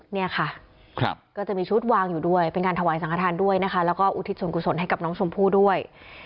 เนี่ยค่ะก็จะมีชุดวางอยู่ด้วยเป็นการถวายสังขทานด้วยนะคะแล้วก็อุทิศส่วนกุศลให้กับน้องชมพู่ด้วย